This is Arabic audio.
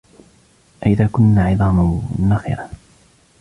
أَإِذَا كُنَّا عِظَامًا نَخِرَةً